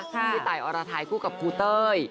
พี่ไต๋อรทัยคู่กับครูเต้ย